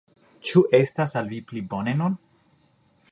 Ĉu estas al vi pli bone nun?